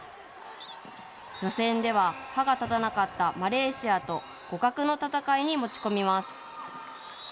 予選では歯が立たなかったマレーシアと互角の戦いに持ち込みます。